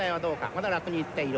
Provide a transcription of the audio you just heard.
まだ楽に行っている。